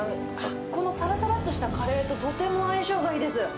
このさらさらっとしたカレーととても相性がいいです。